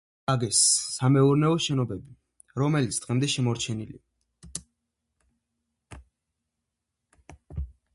ტაძართან ახლოს ააგეს სამეურნეო შენობები, რომელიც დღემდეა შემორჩენილი.